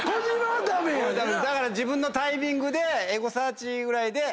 だから自分のタイミングでエゴサーチぐらいで。